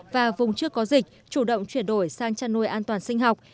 và vùng chưa có dịch chủ động chuyển đổi sang chăn nuôi an toàn sinh học